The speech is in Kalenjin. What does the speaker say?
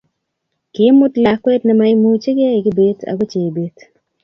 Kimuut lakwet nemaimuchige kibet ago chebet